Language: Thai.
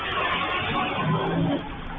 สวัสดีครับทุกคน